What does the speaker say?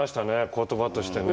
言葉としてね。